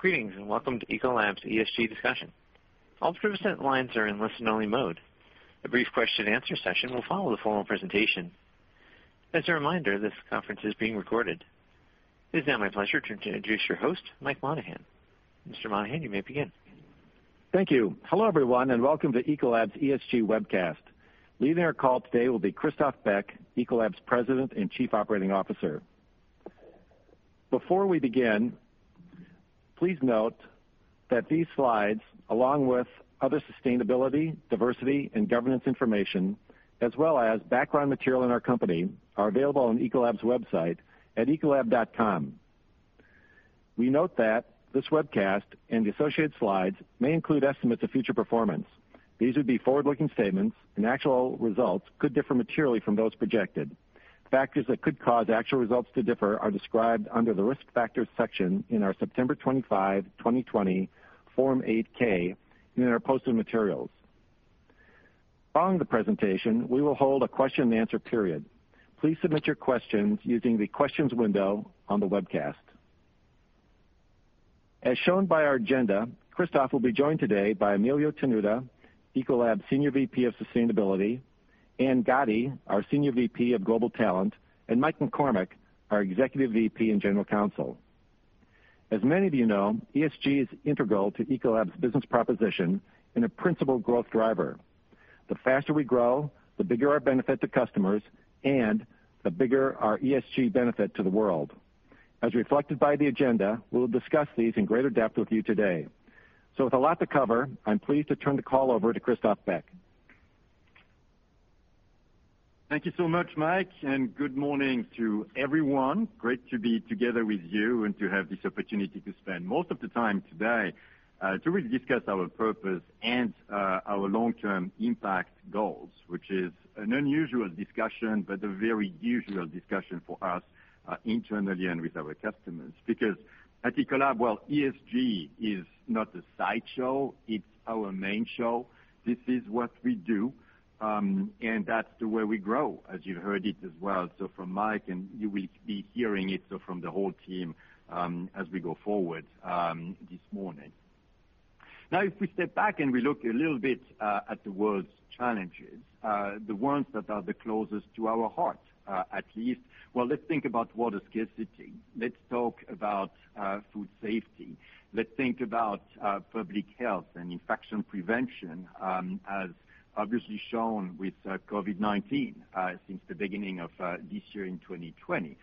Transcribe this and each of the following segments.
Greetings, and welcome to Ecolab's ESG Discussion. All participant lines are in listen-only mode. A brief question and answer session will follow the formal presentation. As a reminder, this conference is being recorded. It is now my pleasure to introduce your host, Mike Monahan. Mr. Monahan, you may begin. Thank you. Hello, everyone, and welcome to Ecolab's ESG Webcast. Leading our call today will be Christophe Beck, Ecolab's President and Chief Operating Officer. Before we begin, please note that these slides, along with other sustainability, diversity, and governance information, as well as background material on our company, are available on ecolab.com. We note that this webcast and the associated slides may include estimates of future performance. These would be forward-looking statements, and actual results could differ materially from those projected. Factors that could cause actual results to differ are described under the Risk Factors section in our September 25, 2020, Form 8-K and in our posted materials. Following the presentation, we will hold a question and answer period. Please submit your questions using the questions window on the webcast. As shown by our agenda, Christophe will be joined today by Emilio Tenuta, Ecolab's Senior VP of Sustainability, Anne Gotte, our Senior VP of Global Talent, and Mike McCormick, our Executive VP and General Counsel. As many of you know, ESG is integral to Ecolab's business proposition and a principal growth driver. The faster we grow, the bigger our benefit to customers, and the bigger our ESG benefit to the world. As reflected by the agenda, we'll discuss these in greater depth with you today. With a lot to cover, I'm pleased to turn the call over to Christophe Beck. Thank you so much, Mike, and good morning to everyone. Great to be together with you and to have this opportunity to spend most of the time today to really discuss our purpose and our long-term impact goals, which is an unusual discussion, but a very usual discussion for us internally and with our customers. Because at Ecolab, while ESG is not a sideshow, it's our main show. This is what we do. That's the way we grow, as you heard it as well from Mike, and you will be hearing it from the whole team as we go forward this morning. Now, if we step back and we look a little bit at the world's challenges, the ones that are the closest to our heart, at least. Well, let's think about water scarcity. Let's talk about food safety. Let's think about public health and infection prevention as obviously shown with COVID-19 since the beginning of this year in 2020.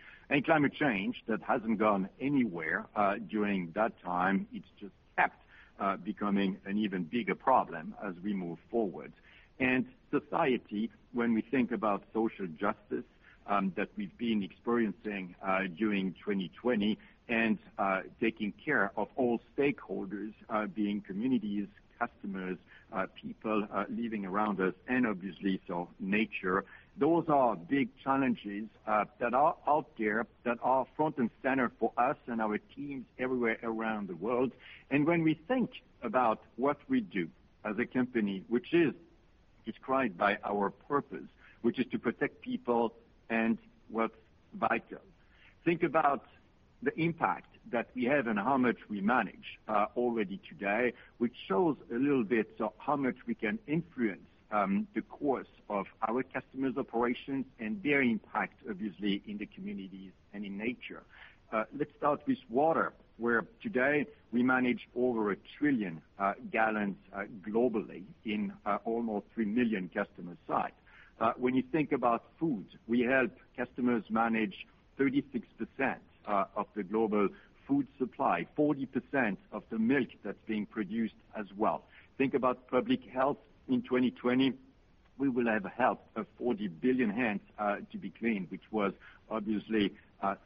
Climate change, that hasn't gone anywhere during that time. It's just kept becoming an even bigger problem as we move forward. Society, when we think about social justice that we've been experiencing during 2020 and taking care of all stakeholders, being communities, customers, people living around us, and obviously nature. Those are big challenges that are out there that are front and center for us and our teams everywhere around the world. When we think about what we do as a company, which is described by our purpose, which is to protect people and what's vital. Think about the impact that we have and how much we manage already today, which shows a little bit how much we can influence the course of our customers' operations and their impact, obviously, in the communities and in nature. Let's start with water, where today we manage over 1 trillion gallons globally in almost 3 million customer sites. When you think about food, we help customers manage 36% of the global food supply, 40% of the milk that's being produced as well. Think about public health in 2020. We will have helped 40 billion hands to be cleaned, which was obviously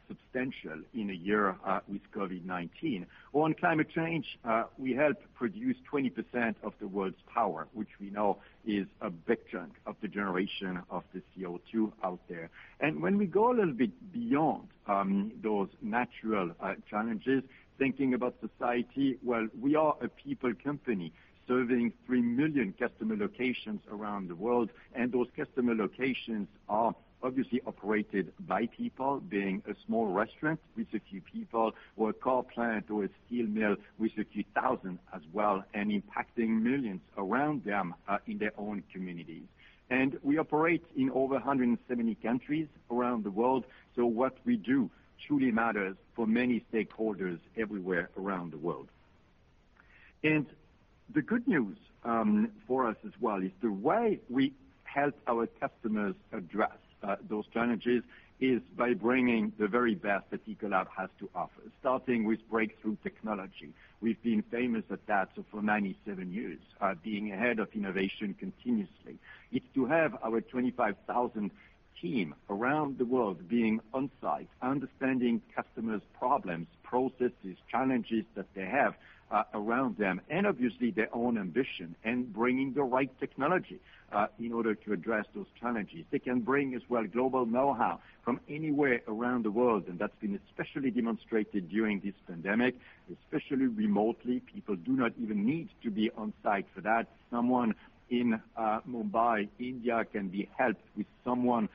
substantial in a year with COVID-19. On climate change, we help produce 20% of the world's power, which we know is a big chunk of the generation of the CO2 out there. When we go a little bit beyond those natural challenges, thinking about society, well, we are a people company serving 3 million customer locations around the world, and those customer locations are obviously operated by people, being a small restaurant with a few people or a car plant or a steel mill with a few thousand as well, and impacting millions around them in their own communities. We operate in over 170 countries around the world. What we do truly matters for many stakeholders everywhere around the world. The good news for us as well is the way we help our customers address those challenges is by bringing the very best that Ecolab has to offer, starting with breakthrough technology. We've been famous at that for 97 years, being ahead of innovation continuously. If you have our 25,000 team around the world being on-site, understanding customers' problems, processes, challenges that they have around them, and obviously their own ambition and bringing the right technology in order to address those challenges. That's been especially demonstrated during this pandemic, especially remotely. People do not even need to be on-site for that. Someone in Mumbai, India, can be helped with someone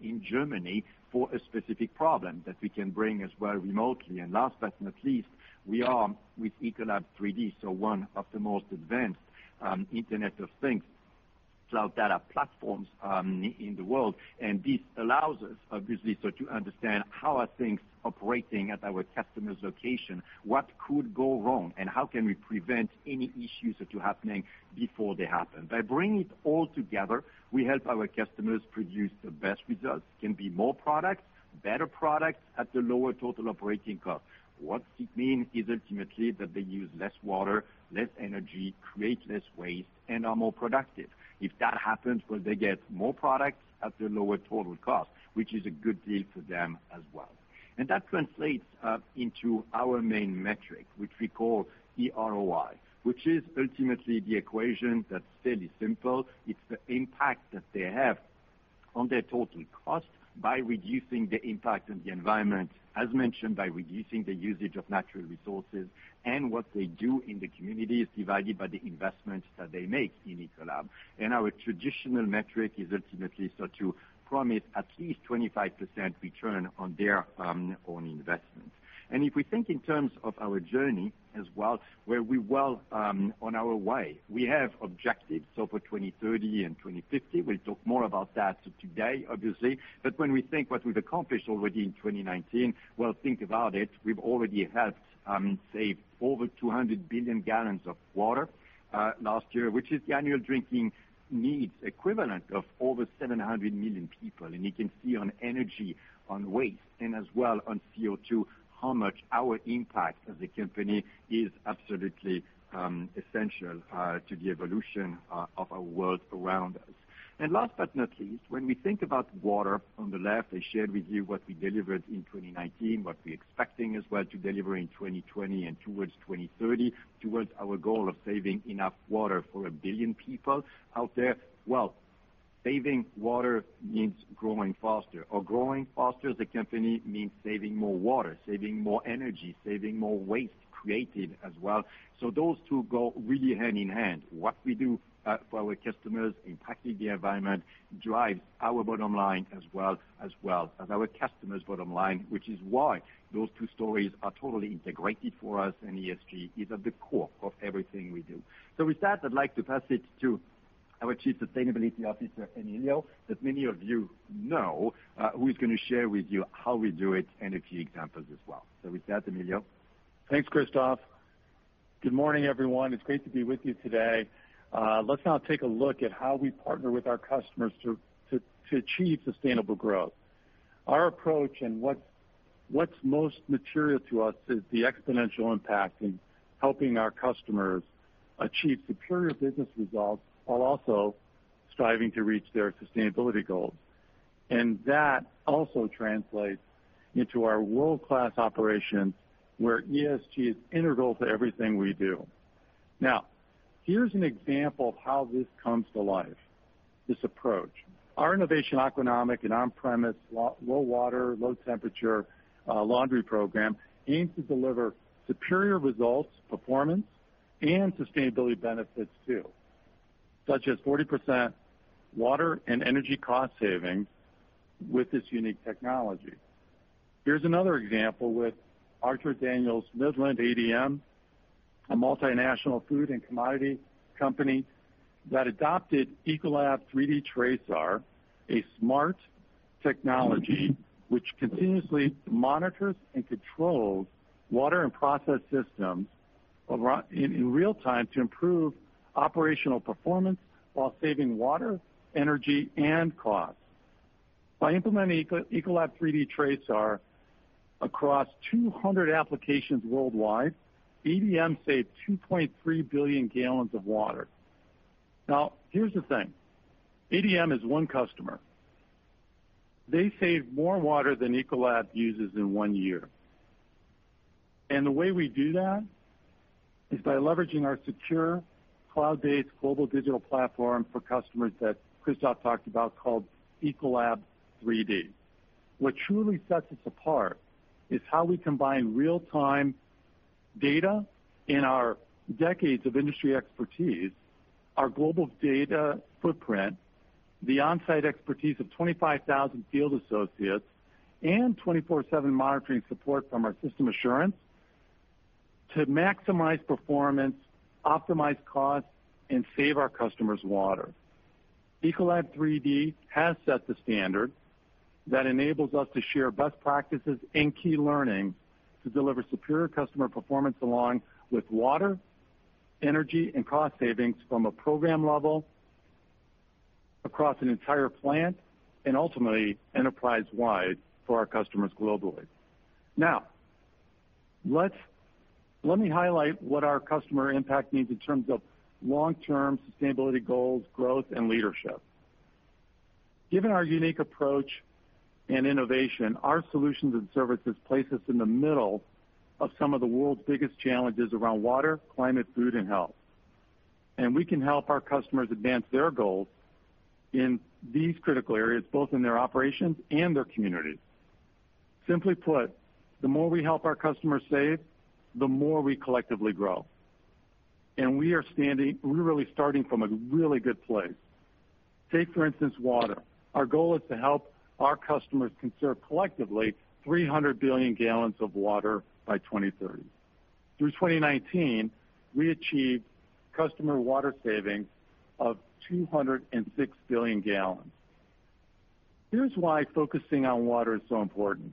in Germany for a specific problem that we can bring as well remotely. Last but not least, we are with Ecolab3D, so one of the most advanced Internet of Things cloud data platforms in the world. This allows us, obviously, so to understand how are things operating at our customer's location, what could go wrong, and how can we prevent any issues that are happening before they happen. By bringing it all together, we help our customers produce the best results. Can be more products, better products, at a lower total operating cost. What it means is ultimately that they use less water, less energy, create less waste, and are more productive. If that happens, well, they get more products at the lower total cost, which is a good deal for them as well. That translates up into our main metric, which we call eROI, which is ultimately the equation that's fairly simple. It's the impact that they have on their total cost by reducing the impact on the environment, as mentioned, by reducing the usage of natural resources, and what they do in the community is divided by the investments that they make in Ecolab. Our traditional metric is ultimately so to promise at least 25% return on their own investment. If we think in terms of our journey as well, where we're well on our way. We have objectives, so for 2030 and 2050. We'll talk more about that today, obviously. When we think what we've accomplished already in 2019, well, think about it. We've already helped save over 200 billion gallons of water last year, which is the annual drinking needs equivalent of over 700 million people. You can see on energy, on waste, and as well on CO2, how much our impact as a company is absolutely essential to the evolution of our world around us. Last but not least, when we think about water, on the left, I shared with you what we delivered in 2019, what we're expecting as well to deliver in 2020 and towards 2030, towards our goal of saving enough water for 1 billion people out there. Saving water means growing faster, or growing faster as a company means saving more water, saving more energy, saving more waste created as well. Those two go really hand in hand. What we do for our customers, impacting the environment, drives our bottom line as well, as our customers' bottom line, which is why those two stories are totally integrated for us, and ESG is at the core of everything we do. With that, I'd like to pass it to our Chief Sustainability Officer, Emilio, that many of you know, who is going to share with you how we do it and a few examples as well. With that, Emilio? Thanks, Christophe. Good morning, everyone. It's great to be with you today. Let's now take a look at how we partner with our customers to achieve sustainable growth. Our approach and what's most material to us is the exponential impact in helping our customers achieve superior business results while also striving to reach their sustainability goals. That also translates into our world-class operations, where ESG is integral to everything we do. Here's an example of how this comes to life, this approach. Our innovation, Aquanomic, an on-premise low water, low temperature laundry program, aims to deliver superior results, performance, and sustainability benefits too, such as 40% water and energy cost savings with this unique technology. Here's another example with Archer Daniels Midland, ADM, a multinational food and commodity company that adopted Ecolab3D TRASAR, a smart technology which continuously monitors and controls water and process systems in real time to improve operational performance while saving water, energy, and cost. By implementing Ecolab3D TRASAR across 200 applications worldwide, ADM saved 2.3 billion gallons of water. Here's the thing. ADM is one customer. They saved more water than Ecolab uses in one year. The way we do that is by leveraging our secure cloud-based global digital platform for customers that Christophe talked about called Ecolab3D. What truly sets us apart is how we combine real-time data in our decades of industry expertise, our global data footprint, the on-site expertise of 25,000 field associates, and 24/7 monitoring support from our system assurance to maximize performance, optimize costs, and save our customers water. Ecolab3D has set the standard that enables us to share best practices and key learnings to deliver superior customer performance along with water, energy, and cost savings from a program level across an entire plant, and ultimately enterprise-wide for our customers globally. Let me highlight what our customer impact means in terms of long-term sustainability goals, growth, and leadership. Given our unique approach and innovation, our solutions and services place us in the middle of some of the world's biggest challenges around water, climate, food, and health. We can help our customers advance their goals in these critical areas, both in their operations and their communities. Simply put, the more we help our customers save, the more we collectively grow. We're really starting from a really good place. Take, for instance, water. Our goal is to help our customers conserve collectively 300 billion gallons of water by 2030.Through 2019, we achieved customer water savings of 206 billion gallons. Here's why focusing on water is so important.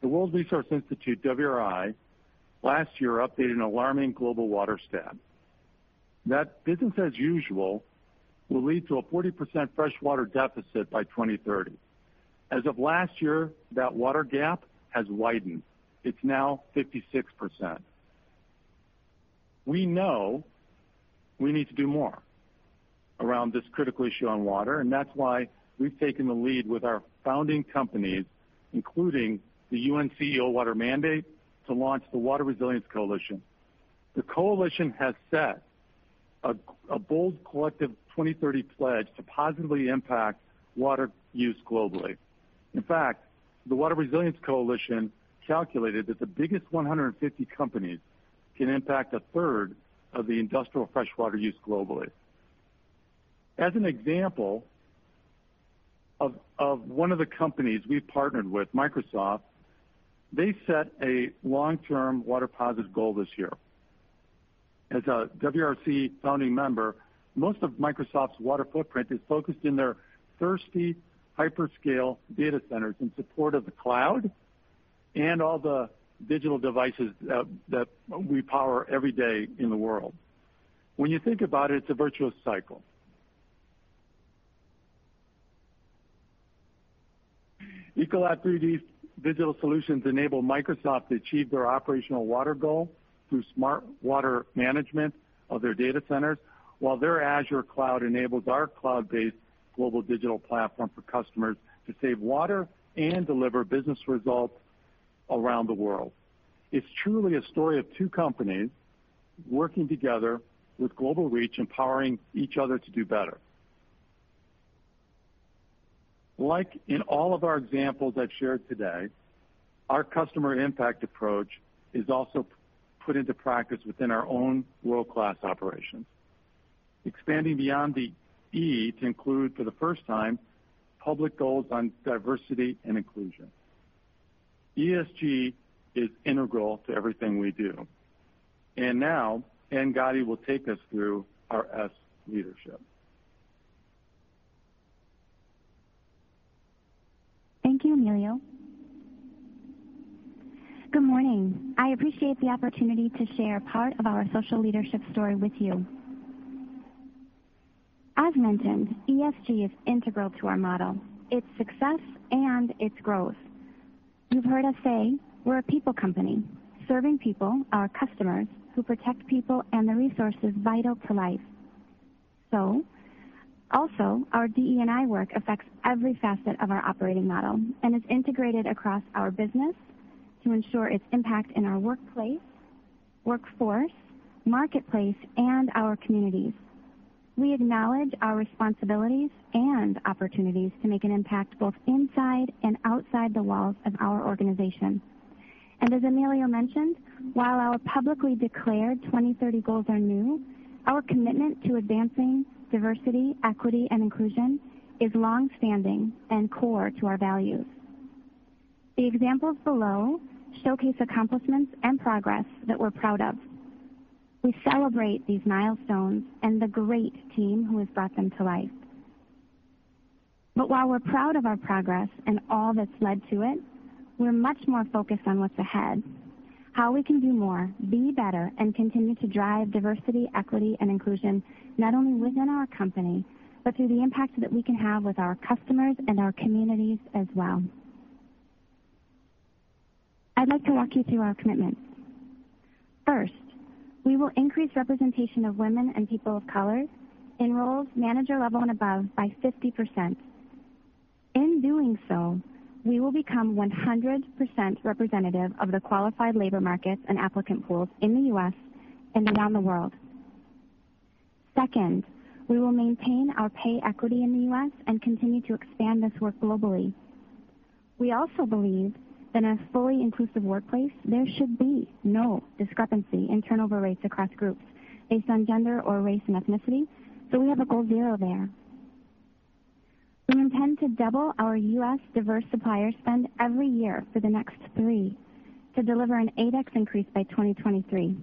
The World Resources Institute, WRI, last year updated an alarming global water stat that business as usual will lead to a 40% freshwater deficit by 2030. As of last year, that water gap has widened. It's now 56%. We know we need to do more around this critical issue on water, and that's why we've taken the lead with our founding companies, including the UN Global Compact's CEO Water Mandate, to launch the Water Resilience Coalition. The coalition has set a bold collective 2030 pledge to positively impact water use globally. In fact, the Water Resilience Coalition calculated that the biggest 150 companies can impact a third of the industrial freshwater use globally. As an example of one of the companies we've partnered with, Microsoft, they set a long-term water positive goal this year. As a WRC founding member, most of Microsoft's water footprint is focused in their thirsty hyperscale data centers in support of the cloud and all the digital devices that we power every day in the world. When you think about it's a virtuous cycle. ECOLAB3D's digital solutions enable Microsoft to achieve their operational water goal through smart water management of their data centers, while their Azure cloud enables our cloud-based global digital platform for customers to save water and deliver business results around the world. It's truly a story of two companies working together with global reach, empowering each other to do better. Like in all of our examples I've shared today, our customer impact approach is also put into practice within our own world-class operations, expanding beyond the E to include, for the first time, public goals on diversity and inclusion. ESG is integral to everything we do. Now Anne Gotte will take us through our S leadership. Thank you, Emilio. Good morning. I appreciate the opportunity to share part of our social leadership story with you. As mentioned, ESG is integral to our model, its success, and its growth. You've heard us say we're a people company, serving people, our customers, who protect people and the resources vital to life. Also, our DE&I work affects every facet of our operating model and is integrated across our business to ensure its impact in our workplace, workforce, marketplace, and our communities. We acknowledge our responsibilities and opportunities to make an impact both inside and outside the walls of our organization. As Emilio mentioned, while our publicly declared 2030 goals are new, our commitment to advancing diversity, equity, and inclusion is longstanding and core to our values. The examples below showcase accomplishments and progress that we're proud of. We celebrate these milestones and the great team who has brought them to life. While we're proud of our progress and all that's led to it, we're much more focused on what's ahead, how we can do more, be better, and continue to drive diversity, equity, and inclusion, not only within our company, but through the impact that we can have with our customers and our communities as well. I'd like to walk you through our commitments. First, we will increase representation of women and people of color in roles manager level and above by 50%. In doing so, we will become 100% representative of the qualified labor markets and applicant pools in the U.S. and around the world. Second, we will maintain our pay equity in the U.S. and continue to expand this work globally. We also believe that in a fully inclusive workplace, there should be no discrepancy in turnover rates across groups based on gender or race and ethnicity, so we have a goal zero there. We intend to double our U.S. diverse supplier spend every year for the next three to deliver an 8x increase by 2023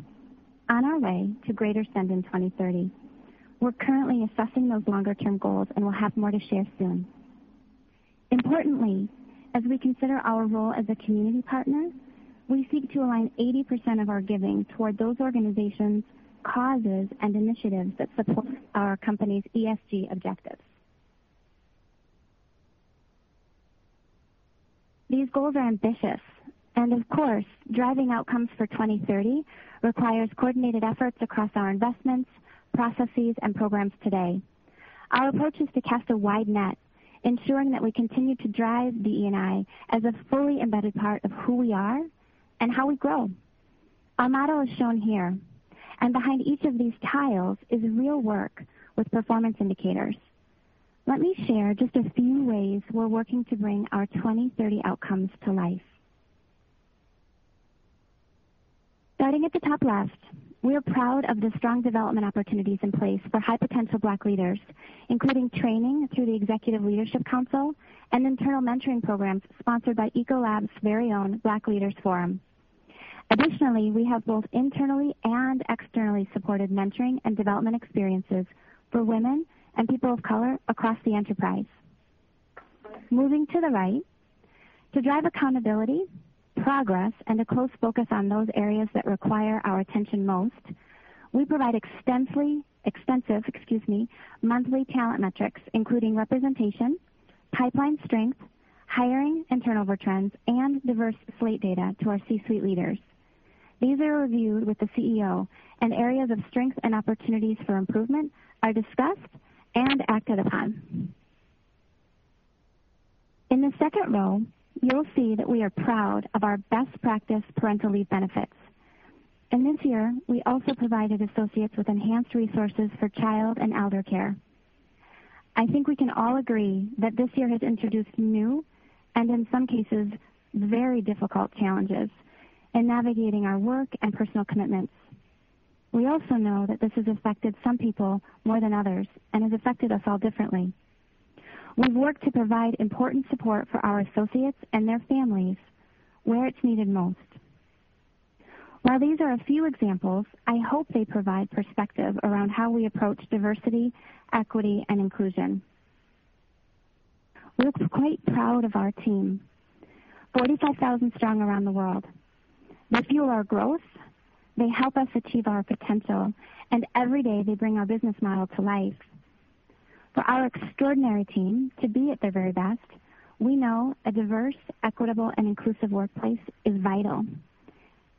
on our way to greater spend in 2030. We're currently assessing those longer-term goals, and we'll have more to share soon. Importantly, as we consider our role as a community partner, we seek to align 80% of our giving toward those organizations, causes, and initiatives that support our company's ESG objectives. These goals are ambitious, and of course, driving outcomes for 2030 requires coordinated efforts across our investments, processes, and programs today. Our approach is to cast a wide net, ensuring that we continue to drive DE&I as a fully embedded part of who we are and how we grow. Our model is shown here. Behind each of these tiles is real work with performance indicators. Let me share just a few ways we're working to bring our 2030 outcomes to life. Starting at the top left. We are proud of the strong development opportunities in place for high-potential Black Leaders, including training through the Executive Leadership Council and internal mentoring programs sponsored by Ecolab's very own Black Leaders Forum. Additionally, we have both internally and externally supported mentoring and development experiences for women and people of color across the enterprise. Moving to the right. To drive accountability, progress, and a close focus on those areas that require our attention most, we provide extensive monthly talent metrics, including representation, pipeline strength, hiring and turnover trends, and diverse slate data to our C-suite leaders. These are reviewed with the CEO, and areas of strength and opportunities for improvement are discussed and acted upon. In the second row, you'll see that we are proud of our best practice parental leave benefits, and this year, we also provided associates with enhanced resources for child and elder care. I think we can all agree that this year has introduced new, and in some cases, very difficult challenges in navigating our work and personal commitments. We also know that this has affected some people more than others and has affected us all differently. We've worked to provide important support for our associates and their families where it's needed most. While these are a few examples, I hope they provide perspective around how we approach diversity, equity, and inclusion. We're quite proud of our team, 45,000 strong around the world. They fuel our growth, they help us achieve our potential, and every day, they bring our business model to life. For our extraordinary team to be at their very best, we know a diverse, equitable, and inclusive workplace is vital.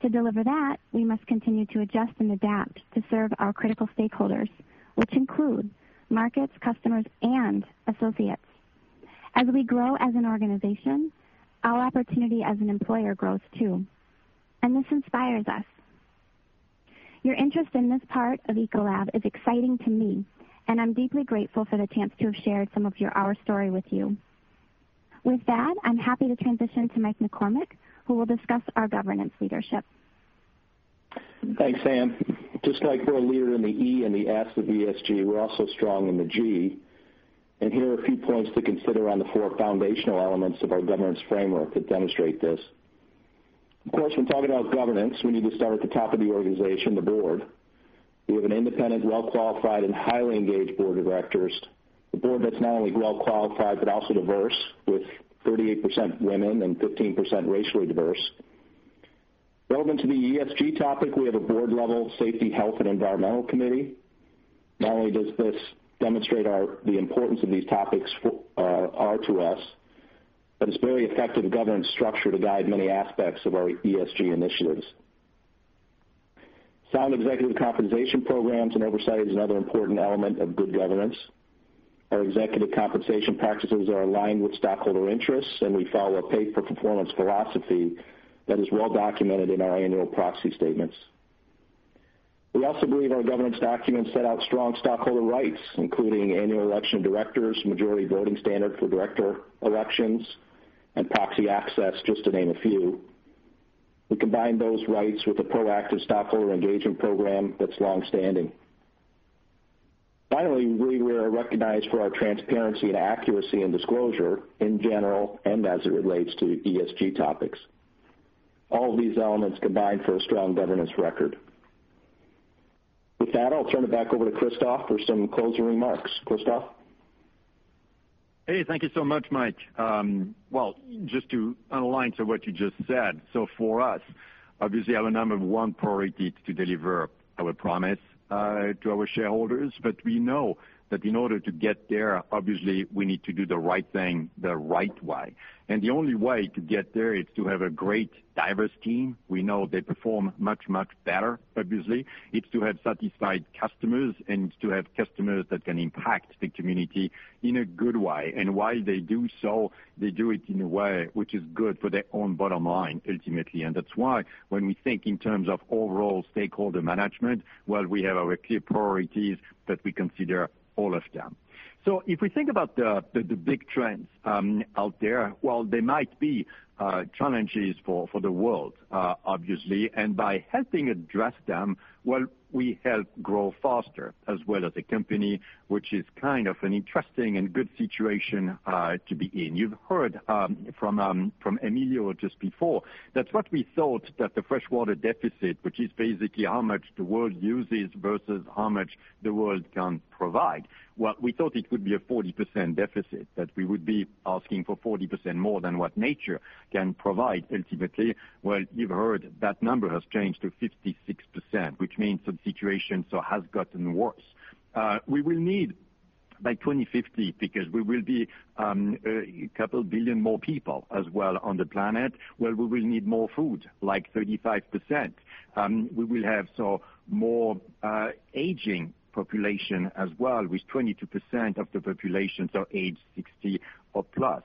To deliver that, we must continue to adjust and adapt to serve our critical stakeholders, which include markets, customers, and associates. As we grow as an organization, our opportunity as an employer grows, too, and this inspires us. Your interest in this part of Ecolab is exciting to me, and I'm deeply grateful for the chance to have shared some of our story with you. With that, I'm happy to transition to Mike McCormick, who will discuss our governance leadership. Thanks, Anne. Just like we're a leader in the E and the S of ESG, we're also strong in the G, and here are a few points to consider on the four foundational elements of our governance framework that demonstrate this. Of course, when talking about governance, we need to start at the top of the organization, the board. We have an independent, well-qualified, and highly engaged board of directors. A board that's not only well-qualified but also diverse, with 38% women and 15% racially diverse. Relevant to the ESG topic, we have a Board-level Safety, Health, and Environmental Committee. Not only does this demonstrate the importance of these topics are to us, but it's a very effective governance structure to guide many aspects of our ESG initiatives. Sound executive compensation programs and oversight is another important element of good governance. Our executive compensation practices are aligned with stakeholder interests, and we follow a pay-for-performance philosophy that is well-documented in our annual proxy statements. We also believe our governance documents set out strong stockholder rights, including annual election of directors, majority voting standard for director elections, and proxy access, just to name a few. We combine those rights with a proactive stockholder engagement program that's longstanding. Finally, we were recognized for our transparency and accuracy in disclosure in general and as it relates to ESG topics. All of these elements combine for a strong governance record. With that, I'll turn it back over to Christophe for some closing remarks. Christophe? Hey, thank you so much, Mike. Well, just to align to what you just said. For us, obviously, our number one priority is to deliver our promise to our shareholders. We know that in order to get there, obviously, we need to do the right thing the right way, and the only way to get there is to have a great, diverse team. We know they perform much better, obviously. It's to have satisfied customers and to have customers that can impact the community in a good way. While they do so, they do it in a way which is good for their own bottom line, ultimately. That's why when we think in terms of overall stakeholder management, while we have our clear priorities, that we consider all of them. If we think about the big trends out there, while they might be challenges for the world, obviously, and by helping address them, well, we help grow faster as well as a company, which is kind of an interesting and good situation to be in. You've heard from Emilio just before that what we thought that the freshwater deficit, which is basically how much the world uses versus how much the world can provide, while we thought it would be a 40% deficit, that we would be asking for 40% more than what nature can provide ultimately. You've heard that number has changed to 56%, which means the situation has gotten worse. By 2050, because we will be a couple billion more people as well on the planet, well, we will need more food, like 35%. We will have more aging population as well, with 22% of the population age 60 or plus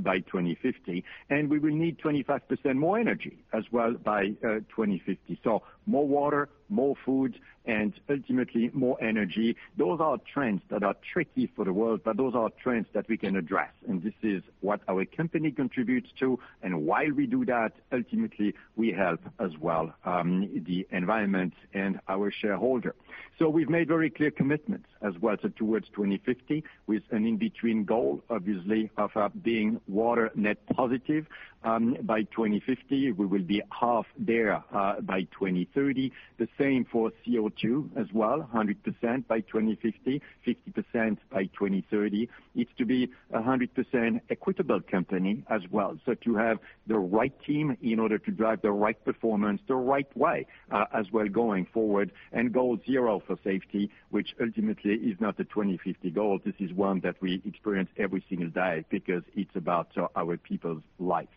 by 2050. We will need 25% more energy as well by 2050. More water, more food, and ultimately more energy. Those are trends that are tricky for the world, but those are trends that we can address, and this is what our company contributes to. While we do that, ultimately we help as well the environment and our shareholder. We've made very clear commitments as well towards 2050, with an in-between goal, obviously, of being water net positive by 2050. We will be half there by 2030. The same for CO2 as well, 100% by 2050, 50% by 2030. It's to be 100% equitable company as well. To have the right team in order to drive the right performance the right way as well going forward. Goal zero for safety, which ultimately is not a 2050 goal. This is one that we experience every single day because it's about our people's life.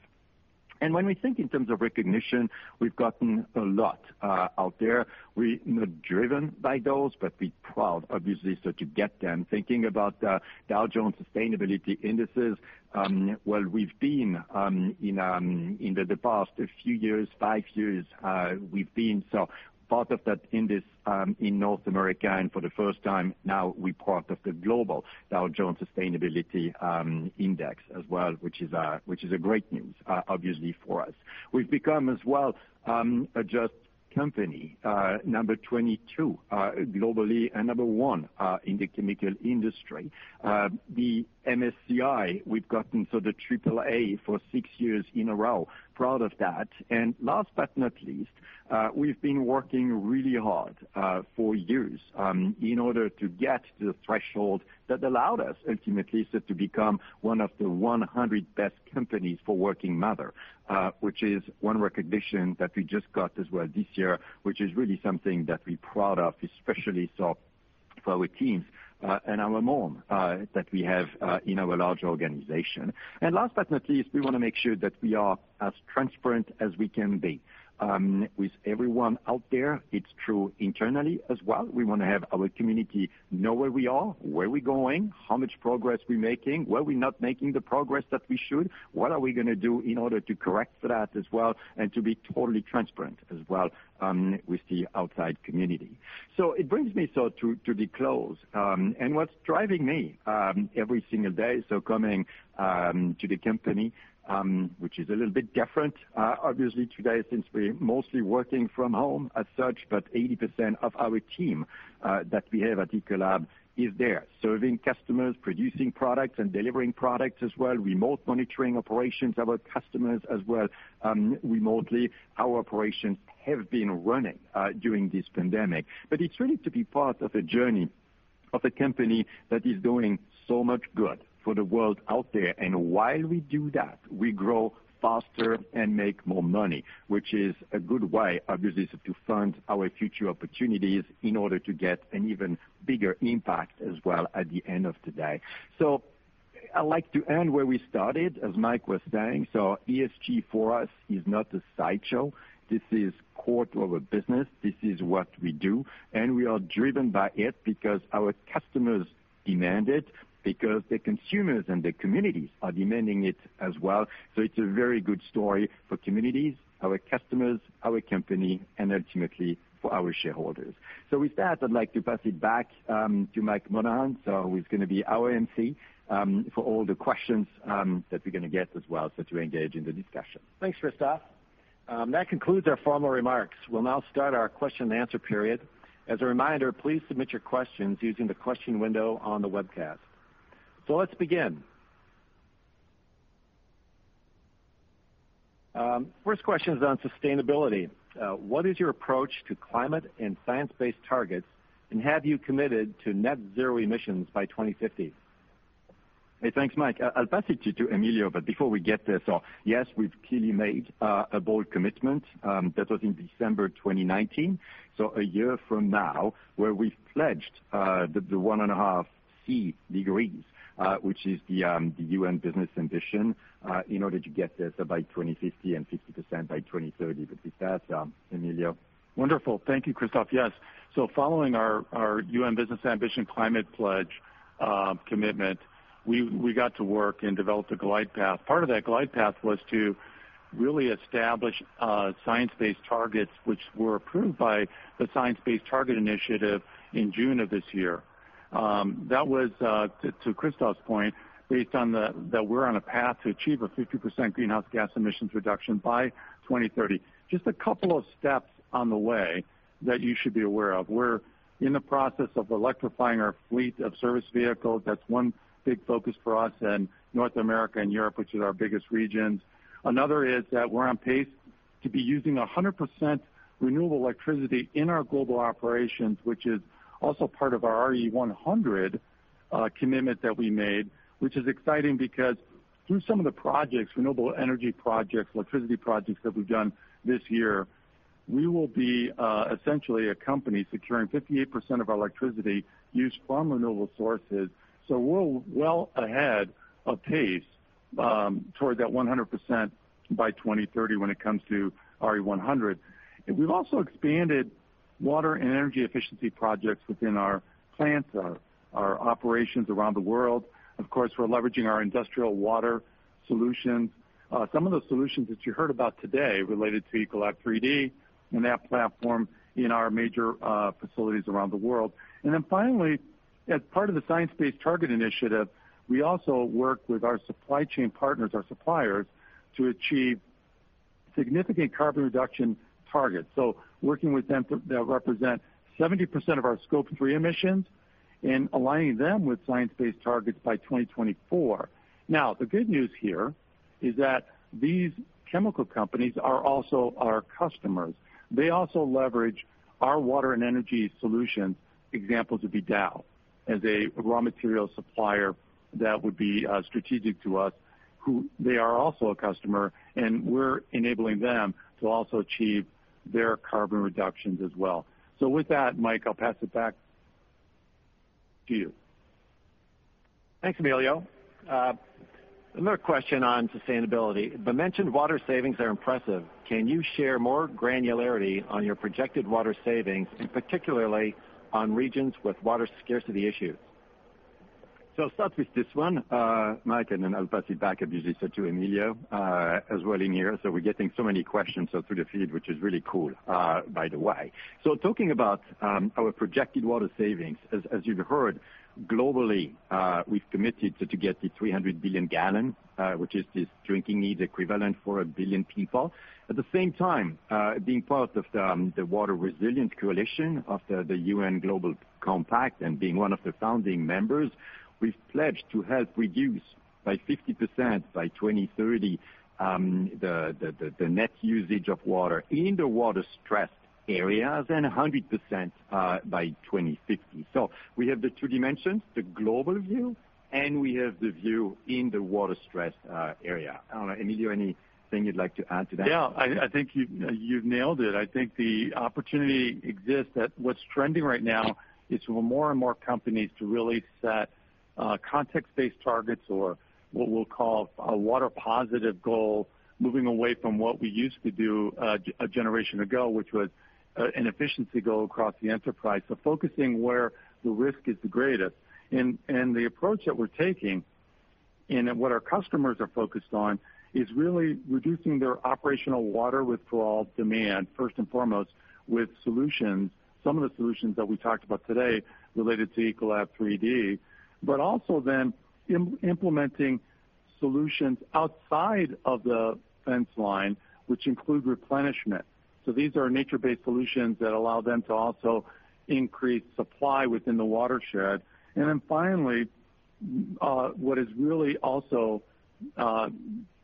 When we think in terms of recognition, we've gotten a lot out there. We're not driven by those, but we're proud, obviously, so to get them. Thinking about Dow Jones Sustainability Indices, we've been in the past few years, five years, we've been part of that index in North America, and for the first time now we're part of the global Dow Jones Sustainability Index as well, which is great news, obviously, for us. We've become as well a JUST company, number 22 globally and number one in the chemical industry. The MSCI, we've gotten the AAA for six years in a row. Proud of that. Last but not least, we've been working really hard for years in order to get the threshold that allowed us ultimately, so to become one of the 100 best companies for Working Mother, which is one recognition that we just got as well this year, which is really something that we're proud of, especially so for our teams and our mom that we have in our large organization. Last but not least, we want to make sure that we are as transparent as we can be with everyone out there. It's true internally as well. We want to have our community know where we are, where we're going, how much progress we're making, where we're not making the progress that we should, what are we going to do in order to correct that as well, and to be totally transparent as well with the outside community. It brings me so to the close. What's driving me every single day, so coming to the company, which is a little bit different obviously today since we're mostly working from home as such, but 80% of our team that we have at Ecolab is there serving customers, producing products and delivering products as well, remote monitoring operations, our customers as well remotely. Our operations have been running during this pandemic. It's really to be part of a journey of a company that is doing so much good for the world out there. While we do that, we grow faster and make more money, which is a good way, obviously, so to fund our future opportunities in order to get an even bigger impact as well at the end of today. I'd like to end where we started, as Mike was saying. ESG for us is not a sideshow. This is core to our business. This is what we do, and we are driven by it because our customers demand it, because the consumers and the communities are demanding it as well. It's a very good story for communities, our customers, our company, and ultimately for our shareholders. With that, I'd like to pass it back to Mike Monahan, who's going to be our emcee for all the questions that we're going to get as well, to engage in the discussion. Thanks, Christophe. That concludes our formal remarks. We'll now start our question and answer period. As a reminder, please submit your questions using the question window on the webcast. Let's begin. First question is on sustainability. What is your approach to climate and Science Based Targets, and have you committed to net zero emissions by 2050? Hey, thanks, Mike. I'll pass it to you to Emilio, but before we get there, so yes, we've clearly made a bold commitment. That was in December 2019, so a year from now, where we've pledged the 1.5 degrees Celsius, which is the UN business ambition, in order to get this by 2050 and 50% by 2030. With that, Emilio. Wonderful. Thank you, Christophe. Yes. Following our UN business ambition climate pledge commitment, we got to work and developed a glide path. Part of that glide path was to really establish science-based targets which were approved by the Science Based Targets initiative in June of this year. That was, to Christophe's point, based on that we're on a path to achieve a 50% greenhouse gas emissions reduction by 2030. Just a couple of steps on the way that you should be aware of. We're in the process of electrifying our fleet of service vehicles. That's one big focus for us in North America and Europe, which is our biggest regions. Another is that we're on pace to be using 100% renewable electricity in our global operations, which is also part of our RE100 commitment that we made, which is exciting because through some of the projects, renewable energy projects, electricity projects that we've done this year, we will be essentially a company securing 58% of our electricity use from renewable sources. We're well ahead of pace toward that 100% by 2030 when it comes to RE100. We've also expanded water and energy efficiency projects within our plants, our operations around the world. Of course, we're leveraging our industrial water solutions. Some of the solutions that you heard about today related to ECOLAB3D and that platform in our major facilities around the world. Finally, as part of the Science Based Targets initiative, we also work with our supply chain partners, our suppliers, to achieve significant carbon reduction targets. Working with them that represent 70% of our Scope 3 emissions and aligning them with science-based targets by 2024. The good news here is that these chemical companies are also our customers. They also leverage our water and energy solutions. Examples would be Dow as a raw material supplier that would be strategic to us, who they are also a customer, and we're enabling them to also achieve their carbon reductions as well. With that, Mike, I'll pass it back to you. Thanks, Emilio. Another question on sustainability. The mentioned water savings are impressive. Can you share more granularity on your projected water savings, and particularly on regions with water scarcity issues? I'll start with this one, Mike, and then I'll pass it back, obviously, to Emilio as well in here. We're getting so many questions through the feed, which is really cool, by the way. Talking about our projected water savings, as you've heard, globally, we've committed to get to 300 billion gallons, which is this drinking needs equivalent for 1 billion people. At the same time, being part of the Water Resilience Coalition of the UN Global Compact and being one of the founding members, we've pledged to help reduce by 50% by 2030, the net usage of water in the water-stressed areas and 100% by 2050. We have the two dimensions, the global view, and we have the view in the water-stressed area. I don't know, Emilio, anything you'd like to add to that? Yeah, I think you've nailed it. I think the opportunity exists that what's trending right now is for more and more companies to really set context-based targets or what we'll call a water positive goal, moving away from what we used to do a generation ago, which was an efficiency goal across the enterprise. Focusing where the risk is the greatest. The approach that we're taking and what our customers are focused on is really reducing their operational water withdrawal demand, first and foremost, with solutions, some of the solutions that we talked about today related to ECOLAB3D, but also then implementing solutions outside of the fence line, which include replenishment. These are nature-based solutions that allow them to also increase supply within the watershed. Finally, what is really also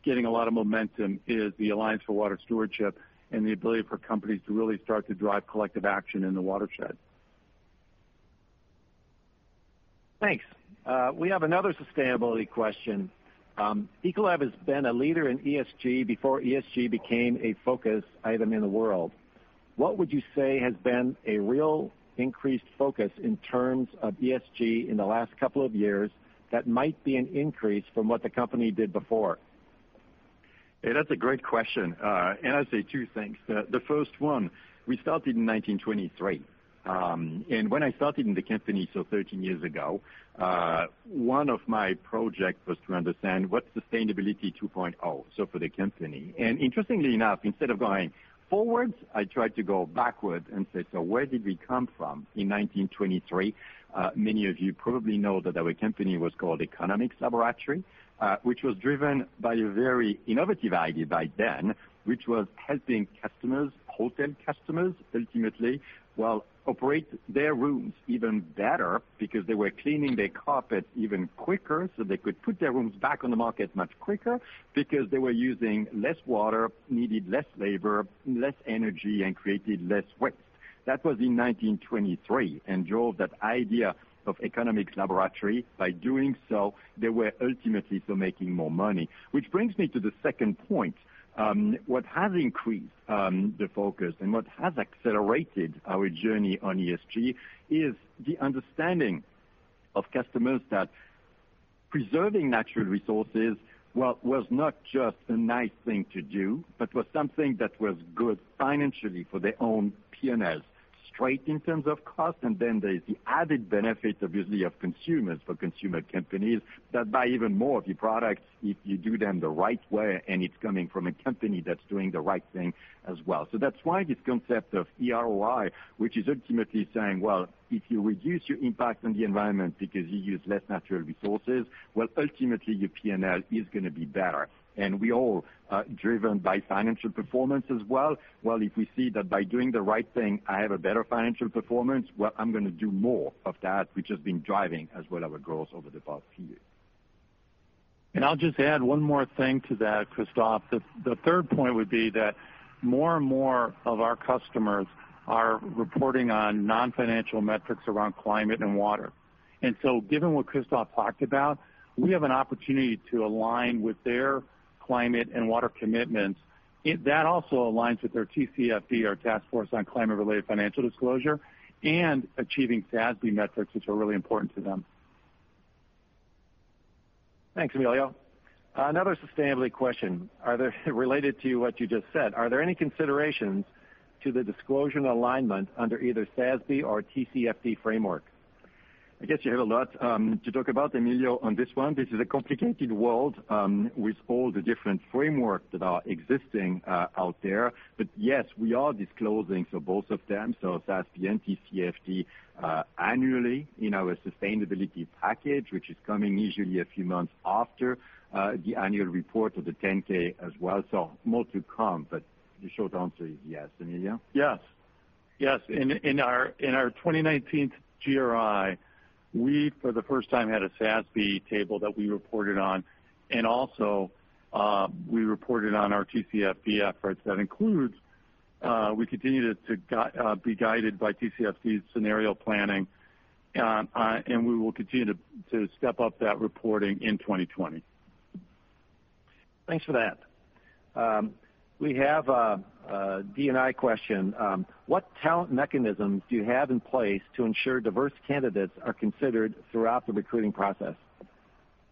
getting a lot of momentum is the Alliance for Water Stewardship and the ability for companies to really start to drive collective action in the watershed. Thanks. We have another sustainability question. Ecolab has been a leader in ESG before ESG became a focus item in the world. What would you say has been a real increased focus in terms of ESG in the last couple of years that might be an increase from what the company did before? Hey, that's a great question. I'd say two things. The first one, we started in 1923. When I started in the company, 13 years ago, one of my projects was to understand what's sustainability 2.0 for the company. Interestingly enough, instead of going forwards, I tried to go backwards and say, "Where did we come from in 1923?" Many of you probably know that our company was called Economics Laboratory, which was driven by a very innovative idea by then, which was helping customers, hotel customers, ultimately, well, operate their rooms even better because they were cleaning their carpets even quicker, so they could put their rooms back on the market much quicker because they were using less water, needed less labor, less energy, and created less waste. That was in 1923, drove that idea of Economics Laboratory. By doing so, they were ultimately still making more money. Which brings me to the second point. What has increased the focus and what has accelerated our journey on ESG is the understanding of customers that preserving natural resources, well, was not just a nice thing to do, but was something that was good financially for their own P&L. Straight in terms of cost, there's the added benefit, obviously, of consumers, for consumer companies, that buy even more of your products if you do them the right way and it's coming from a company that's doing the right thing as well. That's why this concept of ROI, which is ultimately saying, well, if you reduce your impact on the environment because you use less natural resources, well, ultimately, your P&L is going to be better. We're all driven by financial performance as well. If we see that by doing the right thing, I have a better financial performance, well, I'm going to do more of that, which has been driving as well our growth over the past few years. I'll just add one more thing to that, Christophe. The third point would be that more and more of our customers are reporting on non-financial metrics around climate and water. Given what Christophe talked about, we have an opportunity to align with their climate and water commitments. That also aligns with their TCFD, our Task Force on Climate-related Financial Disclosures, and achieving SASB metrics, which are really important to them. Thanks, Emilio. Another sustainability question. Related to what you just said, are there any considerations to the disclosure and alignment under either SASB or TCFD framework? I guess you have a lot to talk about, Emilio, on this one. This is a complicated world with all the different frameworks that are existing out there. Yes, we are disclosing for both of them, SASB and TCFD, annually in our sustainability package, which is coming usually a few months after the annual report of the 10-K as well. More to come, but the short answer is yes. Emilio? Yes. In our 2019 GRI, we for the first time had a SASB table that we reported on. We reported on our TCFD efforts. That includes. We continue to be guided by TCFD's scenario planning. We will continue to step up that reporting in 2020. Thanks for that. We have a DE&I question. What talent mechanisms do you have in place to ensure diverse candidates are considered throughout the recruiting process?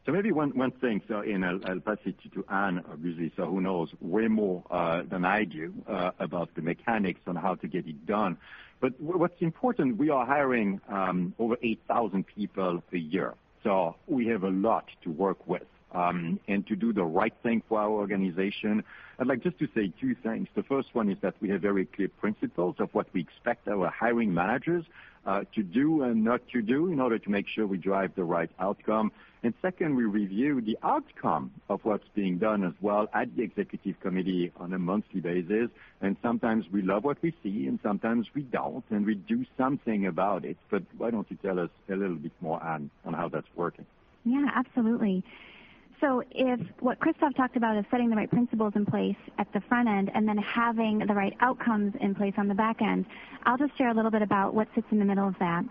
Maybe one thing, and I'll pass it to Anne, obviously, who knows way more than I do about the mechanics on how to get it done. What's important, we are hiring over 8,000 people a year. We have a lot to work with. To do the right thing for our organization, I'd like just to say two things. The first one is that we have very clear principles of what we expect our hiring managers to do and not to do in order to make sure we drive the right outcome. Second, we review the outcome of what's being done as well at the Executive Committee on a monthly basis. Sometimes we love what we see, and sometimes we don't, and we do something about it. Why don't you tell us a little bit more, Anne, on how that's working? Yeah, absolutely. If what Christophe talked about is setting the right principles in place at the front end and then having the right outcomes in place on the back end, I'll just share a little bit about what sits in the middle of that.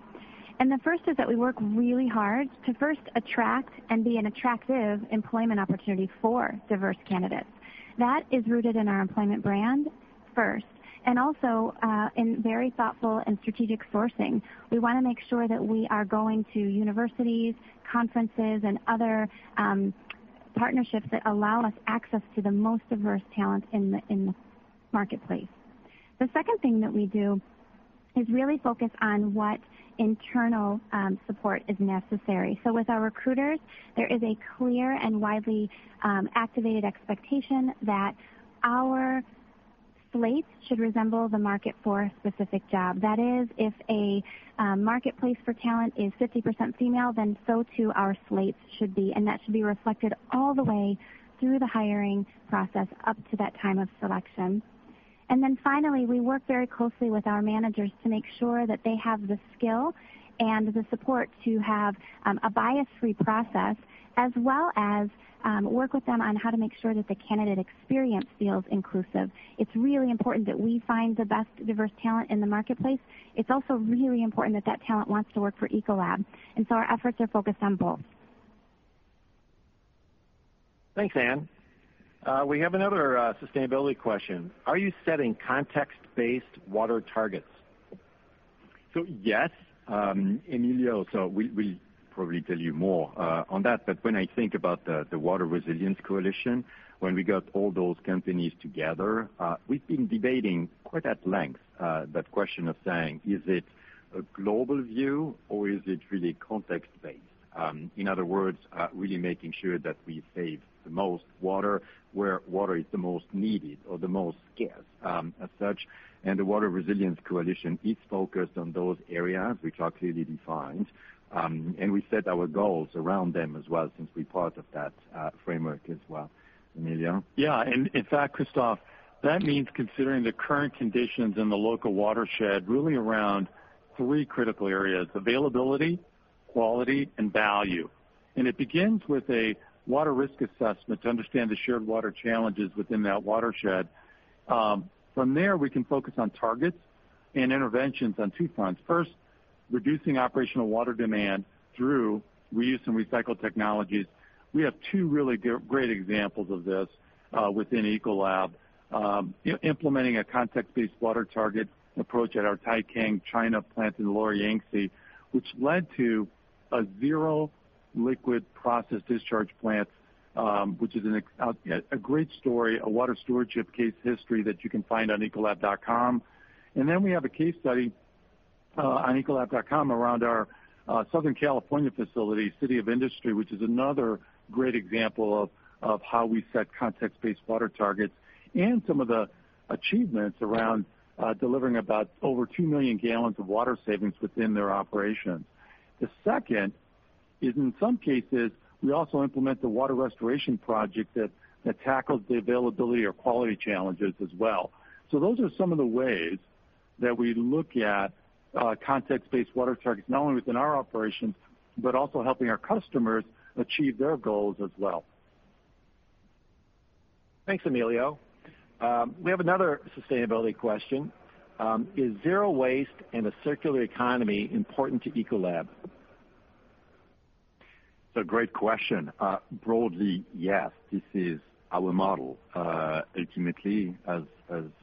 The first is that we work really hard to first attract and be an attractive employment opportunity for diverse candidates. That is rooted in our employment brand first, and also, in very thoughtful and strategic sourcing. We want to make sure that we are going to universities, conferences, and other partnerships that allow us access to the most diverse talent in the marketplace. The second thing that we do is really focus on what internal support is necessary. With our recruiters, there is a clear and widely activated expectation that our slates should resemble the market for a specific job. That is, if a marketplace for talent is 50% female, then so too our slates should be, and that should be reflected all the way through the hiring process up to that time of selection. Finally, we work very closely with our managers to make sure that they have the skill and the support to have a bias-free process, as well as work with them on how to make sure that the candidate experience feels inclusive. It's really important that we find the best diverse talent in the marketplace. It's also really important that that talent wants to work for Ecolab, and so our efforts are focused on both. Thanks, Anne. We have another sustainability question. Are you setting context-based water targets? Yes, Emilio. We'll probably tell you more on that. When I think about the Water Resilience Coalition, when we got all those companies together, we've been debating quite at length that question of saying, is it a global view, or is it really context-based? In other words, really making sure that we save the most water where water is the most needed or the most scarce as such. The Water Resilience Coalition is focused on those areas, which are clearly defined. We set our goals around them as well since we're part of that framework as well. Emilio? Yeah. In fact, Christophe, that means considering the current conditions in the local watershed really around three critical areas, availability, quality, and value. It begins with a water risk assessment to understand the shared water challenges within that watershed. From there, we can focus on targets and interventions on two fronts. First, reducing operational water demand through reuse and recycle technologies. We have two really great examples of this within Ecolab. Implementing a context-based water target approach at our Taicang China plant in the lower Yangtze, which led to a zero liquid process discharge plant, which is a great story, a water stewardship case history that you can find on ecolab.com. We have a case study on ecolab.com around our Southern California facility, City of Industry, which is another great example of how we set context-based water targets and some of the achievements around delivering about over 2 million gallons of water savings within their operations. The second is, in some cases, we also implement the water restoration project that tackles the availability or quality challenges as well. Those are some of the ways that we look at context-based water targets, not only within our operations, but also helping our customers achieve their goals as well. Thanks, Emilio. We have another sustainability question. Is zero waste and a circular economy important to Ecolab? It's a great question. Broadly, yes, this is our model. Ultimately, as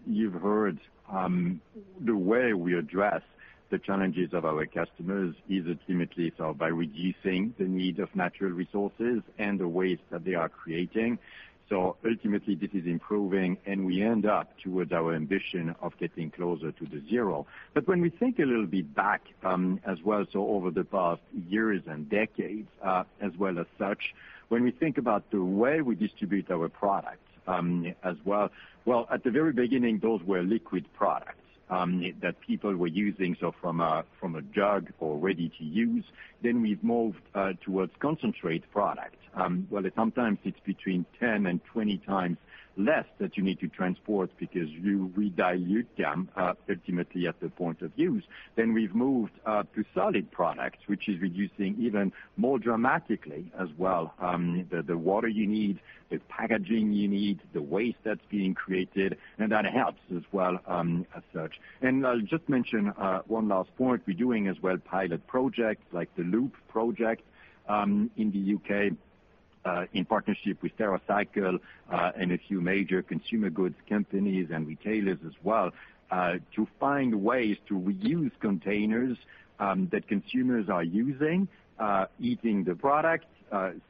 you've heard, the way we address the challenges of our customers is ultimately solved by reducing the need of natural resources and the waste that they are creating. Ultimately, this is improving, and we end up towards our ambition of getting closer to the zero. When we think a little bit back, as well, over the past years and decades, as well as such, when we think about the way we distribute our products as well, well, at the very beginning, those were liquid products that people were using, so from a jug or ready-to-use. We've moved towards concentrate products. Well, sometimes it's between 10 and 20 times less that you need to transport because you redilute them ultimately at the point of use. We've moved to solid products, which is reducing even more dramatically as well, the water you need, the packaging you need, the waste that's being created, and that helps as well as such. I'll just mention one last point. We're doing as well pilot projects like the Loop project in the U.K., in partnership with TerraCycle, and a few major consumer goods companies and retailers as well, to find ways to reuse containers that consumers are using, eating the product,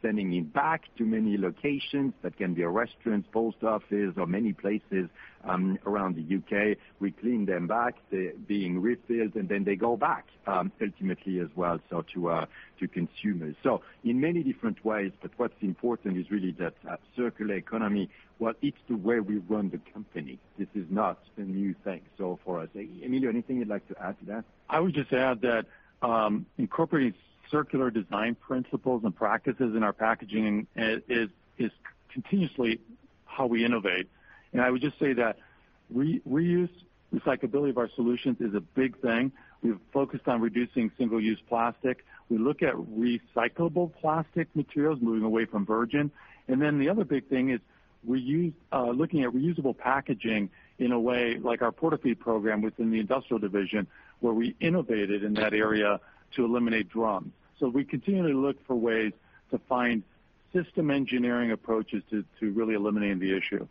sending it back to many locations. That can be a restaurant, post office, or many places around the U.K. We clean them back, they're being refilled, and then they go back, ultimately as well, to consumers. In many different ways, but what's important is really that circular economy, well, it's the way we run the company. This is not a new thing for us. Emilio, anything you'd like to add to that? I would just add that incorporating circular design principles and practices in our packaging is continuously how we innovate. I would just say that reuse and recyclability of our solutions is a big thing. We've focused on reducing single-use plastic. We look at recyclable plastic materials, moving away from virgin. The other big thing is looking at reusable packaging in a way like our PORTA-FEED program within the industrial division, where we innovated in that area to eliminate drums. We continually look for ways to find system engineering approaches to really eliminating the issue.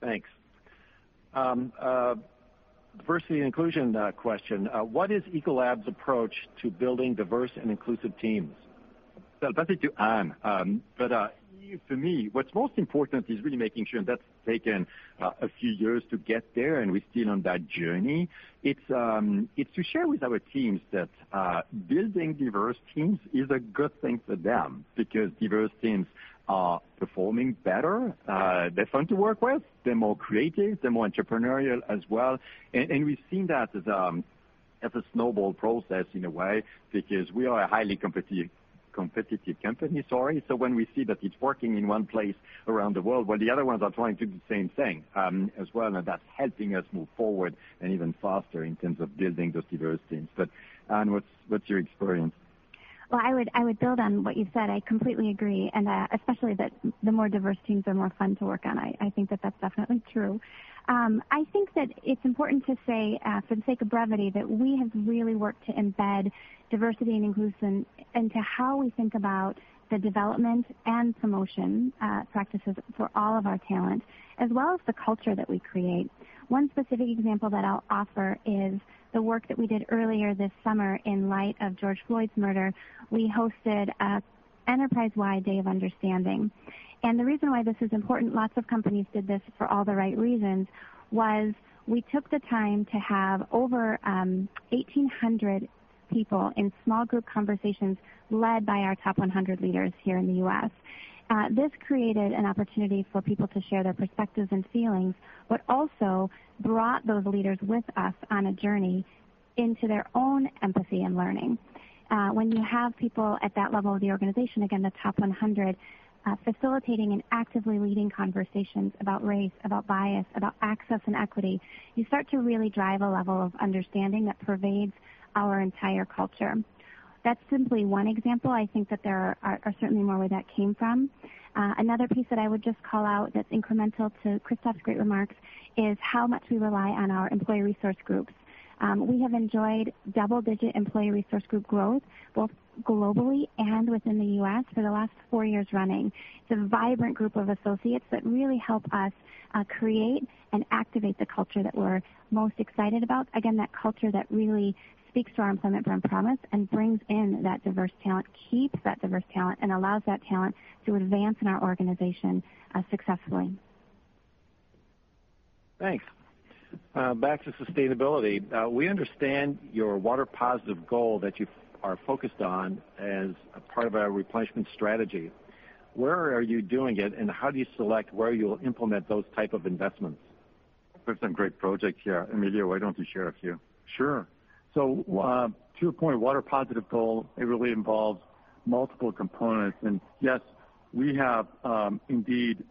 Thanks. Diversity and inclusion question. What is Ecolab's approach to building diverse and inclusive teams? I'll pass it to Anne. For me, what's most important is really making sure, and that's taken a few years to get there, and we're still on that journey. It's to share with our teams that building diverse teams is a good thing for them because diverse teams are performing better. They're fun to work with. They're more creative. They're more entrepreneurial as well. We've seen that as a snowball process in a way because we are a highly competitive company, sorry. When we see that it's working in one place around the world, well, the other ones are trying to do the same thing as well, and that's helping us move forward and even faster in terms of building those diverse teams. Anne, what's your experience? Well, I would build on what you said. I completely agree, and especially that the more diverse teams are more fun to work on. I think that that's definitely true. I think that it's important to say, for the sake of brevity, that we have really worked to embed diversity and inclusion into how we think about the development and promotion practices for all of our talent, as well as the culture that we create. One specific example that I'll offer is the work that we did earlier this summer in light of George Floyd's murder. We hosted an enterprise-wide day of understanding. The reason why this is important, lots of companies did this for all the right reasons, was we took the time to have over 1,800 people in small group conversations led by our top 100 leaders here in the U.S. This created an opportunity for people to share their perspectives and feelings, but also brought those leaders with us on a journey into their own empathy and learning. When you have people at that level of the organization, again, the top 100, facilitating and actively leading conversations about race, about bias, about access and equity, you start to really drive a level of understanding that pervades our entire culture. That's simply one example. I think that there are certainly more where that came from. Another piece that I would just call out that's incremental to Christophe's great remarks is how much we rely on our employee resource groups. We have enjoyed double-digit employee resource group growth, both globally and within the U.S. for the last four years running. It's a vibrant group of associates that really help us create and activate the culture that we're most excited about. Again, that culture that really speaks to our employment brand promise and brings in that diverse talent, keeps that diverse talent, and allows that talent to advance in our organization successfully. Thanks. Back to sustainability. We understand your water positive goal that you are focused on as a part of our replenishment strategy. Where are you doing it, and how do you select where you'll implement those type of investments? There's some great projects here. Emilio, why don't you share a few? Sure. To your point, water positive goal, it really involves multiple components. Yes, we have indeed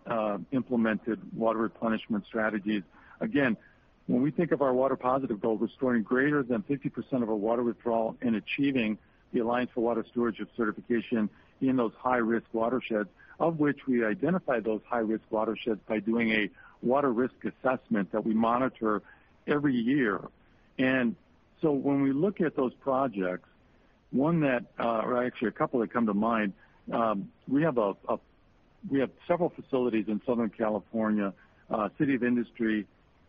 implemented water replenishment strategies. When we think of our water positive goal, restoring greater than 50% of our water withdrawal and achieving the Alliance for Water Stewardship certification in those high-risk watersheds, of which we identify those high-risk watersheds by doing a water risk assessment that we monitor every year. When we look at those projects, a couple that come to mind, we have several facilities in Southern California, City of Industry,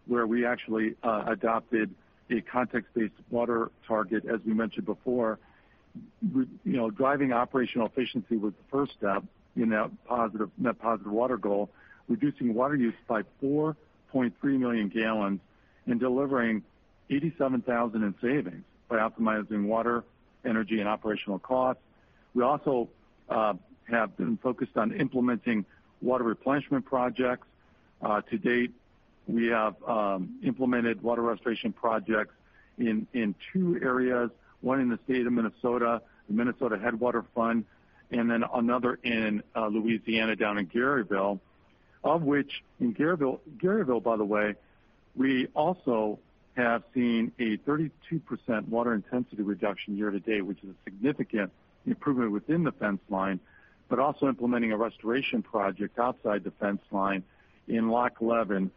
where we actually adopted a context-based water target, as we mentioned before. Driving operational efficiency was the first step in that positive water goal, reducing water use by 4.3 million gallons and delivering $87,000 in savings by optimizing water, energy, and operational costs. We also have been focused on implementing water replenishment projects. To date, we have implemented water restoration projects in two areas, one in the state of Minnesota, the Minnesota Headwaters Fund, and then another in Louisiana down in Garyville. Of which, in Garyville, by the way, we also have seen a 32% water intensity reduction year to date, which is a significant improvement within the fence line, but also implementing a restoration project outside the fence line in Lock 11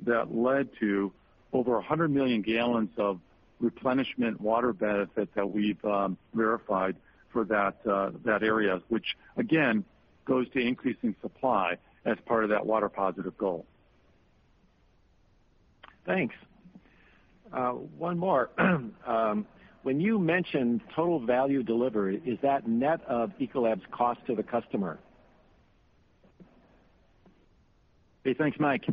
that led to over 100 million gallons of replenishment water benefit that we've verified for that area. Which again, goes to increasing supply as part of that water positive goal. Thanks. One more. When you mentioned total value delivery, is that net of Ecolab's cost to the customer? Hey, thanks, Mike.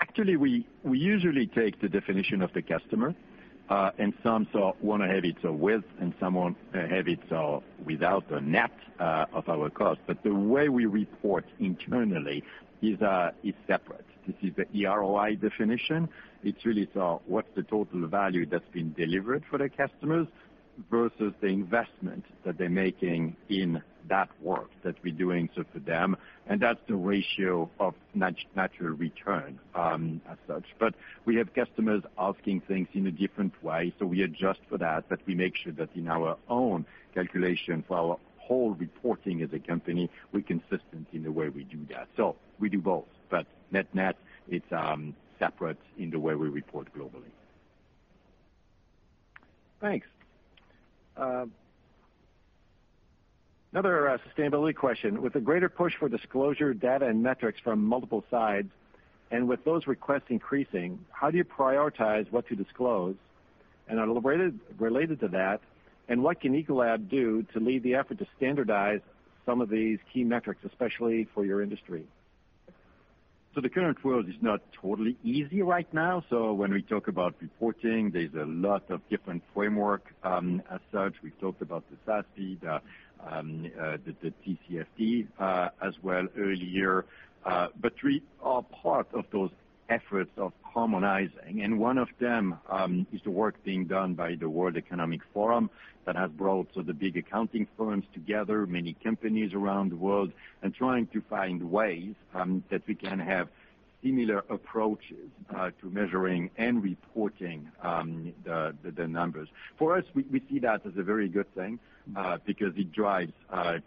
Actually, we usually take the definition of the customer. Some want to have it with, and some want to have it without, or net of our cost. The way we report internally is separate. This is the eROI definition. It's really what's the total value that's been delivered for the customers versus the investment that they're making in that work that we're doing for them. That's the ratio of natural return as such. We have customers asking things in a different way, we adjust for that. We make sure that in our own calculation for our whole reporting as a company, we're consistent in the way we do that. We do both, but net net, it's separate in the way we report globally. Thanks. Another sustainability question. With a greater push for disclosure data and metrics from multiple sides, and with those requests increasing, how do you prioritize what to disclose? Related to that, what can Ecolab do to lead the effort to standardize some of these key metrics, especially for your industry? The current world is not totally easy right now. When we talk about reporting, there's a lot of different framework as such. We've talked about the SASB, the TCFD as well earlier. We are part of those efforts of harmonizing, and one of them is the work being done by the World Economic Forum that has brought the big accounting firms together, many companies around the world, and trying to find ways that we can have similar approaches to measuring and reporting the numbers. For us, we see that as a very good thing because it drives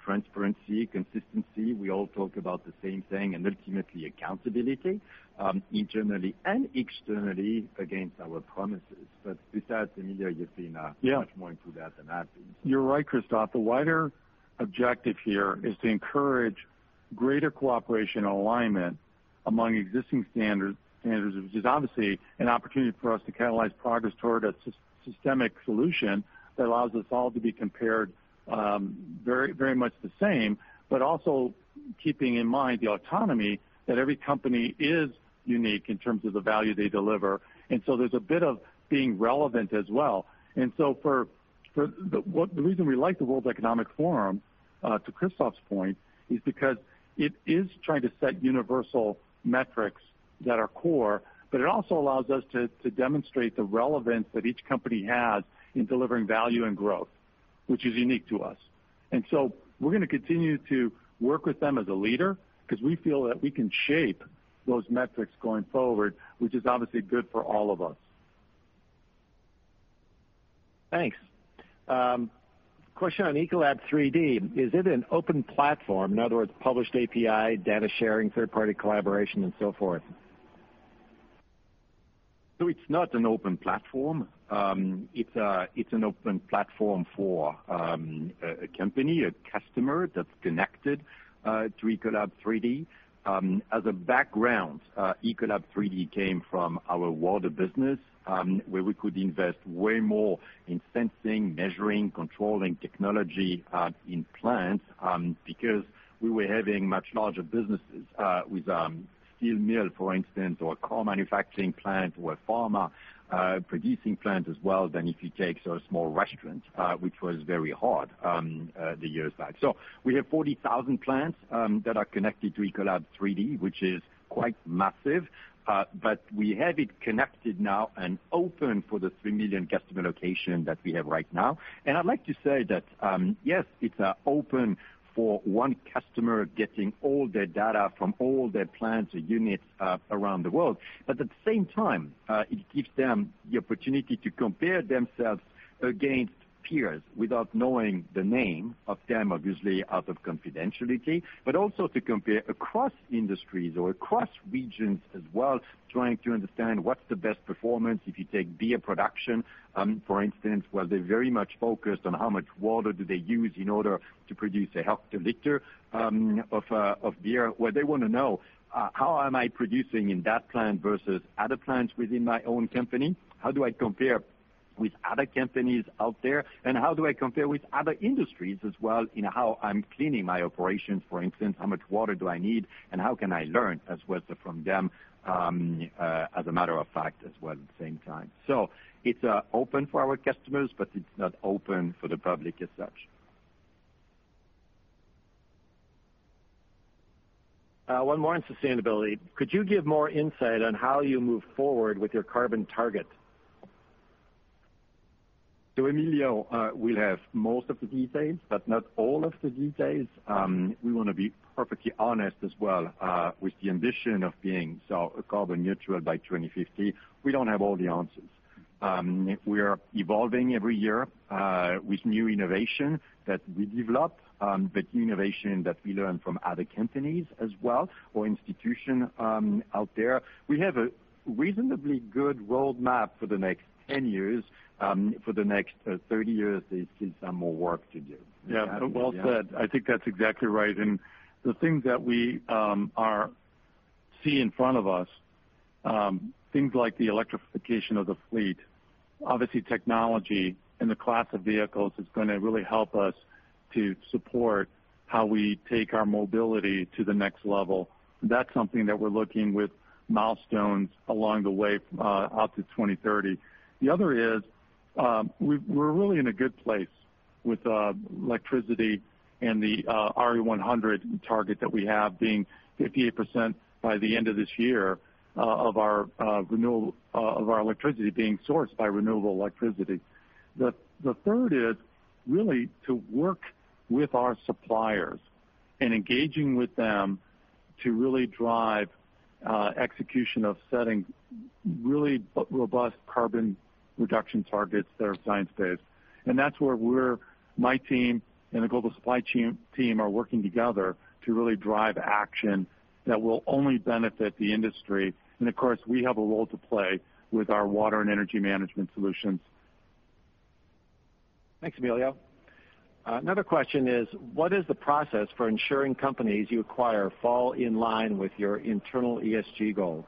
transparency, consistency. We all talk about the same thing and ultimately accountability, internally and externally against our promises. Besides, Emilio, you've seen- Yeah much more into that than I do. You're right, Christophe. The wider objective here is to encourage greater cooperation and alignment among existing standards, which is obviously an opportunity for us to catalyze progress toward a systemic solution that allows us all to be compared very much the same, but also keeping in mind the autonomy that every company is unique in terms of the value they deliver. There's a bit of being relevant as well. The reason we like the World Economic Forum, to Christophe's point, is because it is trying to set universal metrics that are core, but it also allows us to demonstrate the relevance that each company has in delivering value and growth, which is unique to us. We're going to continue to work with them as a leader because we feel that we can shape those metrics going forward, which is obviously good for all of us. Thanks. Question on ECOLAB3D. Is it an open platform? In other words, published API, data sharing, third-party collaboration and so forth. It's not an open platform. It's an open platform for a company, a customer that's connected to ECOLAB3D. As a background, ECOLAB3D came from our water business, where we could invest way more in sensing, measuring, controlling technology in plants because we were having much larger businesses with steel mill, for instance, or a car manufacturing plant or a pharma producing plant as well than if you take a small restaurant, which was very hard the years back. We have 40,000 plants that are connected to ECOLAB3D, which is quite massive. We have it connected now and open for the 3 million customer locations that we have right now. I'd like to say that, yes, it's open for one customer getting all their data from all their plants or units around the world. At the same time, it gives them the opportunity to compare themselves against peers without knowing the name of them, obviously, out of confidentiality, also to compare across industries or across regions as well, trying to understand what's the best performance. If you take beer production, for instance, well, they're very much focused on how much water do they use in order to produce a hectoliter of beer. Well, they want to know, how am I producing in that plant versus other plants within my own company? How do I compare with other companies out there, how do I compare with other industries as well in how I'm cleaning my operations, for instance, how much water do I need, how can I learn as well from them, as a matter of fact, as well, at the same time? It's open for our customers, but it's not open for the public as such. One more on sustainability. Could you give more insight on how you move forward with your carbon target? Emilio will have most of the details, but not all of the details. We want to be perfectly honest as well, with the ambition of being carbon neutral by 2050. We don't have all the answers. We are evolving every year, with new innovation that we develop, but innovation that we learn from other companies as well, or institution out there. We have a reasonably good roadmap for the next 10 years. For the next 30 years, there's still some more work to do. Yeah, well said. I think that's exactly right. The things that we see in front of us, things like the electrification of the fleet, obviously technology in the class of vehicles is going to really help us to support how we take our mobility to the next level. That's something that we're looking with milestones along the way out to 2030. The other is, we're really in a good place with electricity and the RE100 target that we have being 58% by the end of this year of our electricity being sourced by renewable electricity. The third is really to work with our suppliers and engaging with them to really drive execution of setting really robust carbon reduction targets that are science-based. That's where my team and the global supply team are working together to really drive action that will only benefit the industry. Of course, we have a role to play with our water and energy management solutions. Thanks, Emilio. Another question is, what is the process for ensuring companies you acquire fall in line with your internal ESG goals?